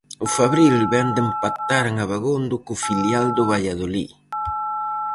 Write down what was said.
O Fabril vén de empatar en Abegondo co filial do Valladolid.